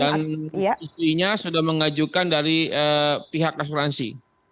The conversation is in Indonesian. dan istrinya sudah mengajukan dari pihak asuransi